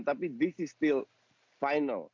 tapi ini masih final